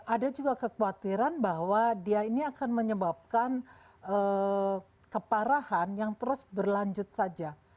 ada juga kekhawatiran bahwa dia ini akan menyebabkan keparahan yang terus berlanjut saja